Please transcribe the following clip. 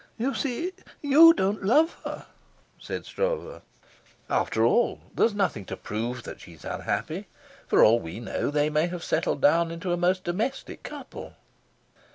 "You see, you don't love her," said Stroeve. "After all, there's nothing to prove that she is unhappy. For all we know they may have settled down into a most domestic couple."